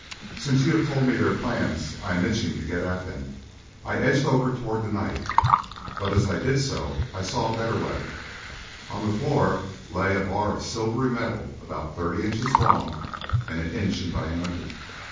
"Since you have told me their plans I am itching to get at them." I edged over toward the knife, but as I did so I saw a better weapon. On the floor lay a bar of silvery metal about thirty inches long and an inch in diameter.